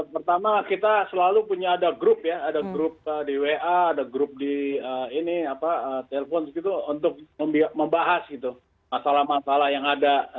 pertama kita selalu punya ada grup ya ada grup di wa ada grup di ini telepon untuk membahas masalah masalah yang ada